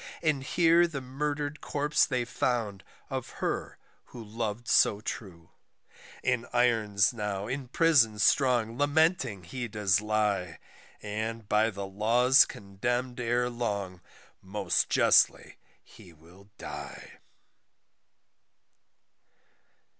And here the murder'd corpse they found, of her who lov'd so true, In irons now in Prison strong lamenting he does lie; And, by the laws condemn'd ere long, most justly he will die.